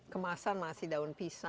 kemasan masih daun pisang